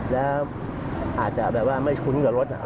แล้วอาจจะแบบว่าไม่คุ้นกับรถ